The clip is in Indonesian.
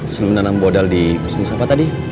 selalu menanam bodal di bisnis apa tadi